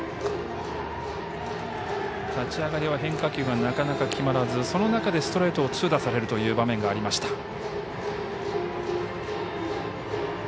立ち上がりは変化球がなかなか決まらずその中でストレートを痛打されるという場面がありました。